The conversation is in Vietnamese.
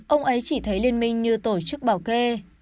ông ấy chỉ thấy liên minh như tổ chức bảo kê